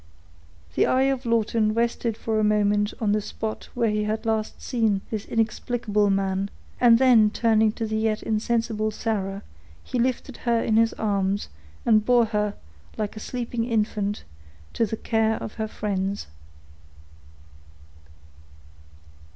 The eye of Lawton rested for a moment on the spot where he had last seen this inexplicable man, and then turning to the yet insensible Sarah, he lifted her in his arms, and bore her, like a sleeping infant, to the care of her friends.